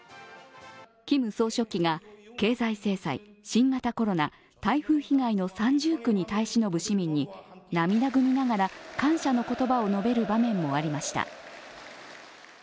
キム総書記が経済制裁、新型コロナ台風被害の三重苦に耐え忍ぶ市民に涙ぐみながら、感謝の言葉を述べる場面もありました。